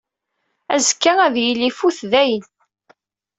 Azekka, ad yili ifut dayen.